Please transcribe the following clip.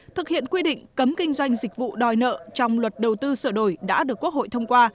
thực hiện quy định cấm kinh doanh dịch vụ đòi nợ trong luật đầu tư sửa đổi đã được quốc hội thông qua